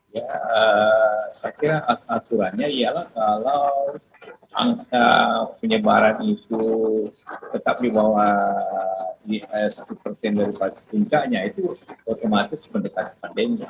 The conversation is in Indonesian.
saya kira aturannya ialah kalau angka penyebaran itu tetap di bawah satu persen daripada puncaknya itu otomatis mendekati pandemi